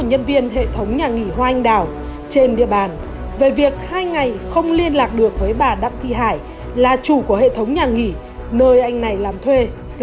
hãy đăng ký kênh để ủng hộ kênh của mình nhé